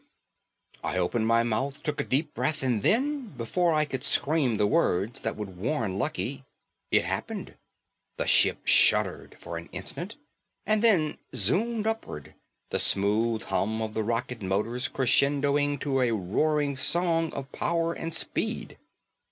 I opened my mouth, took a deep breath and then, before I could scream the words that would warn Lucky, it happened. The ship shuddered for an instant and then zoomed upward, the smooth hum of the rocket motors crescendoing to a roaring song of power and speed.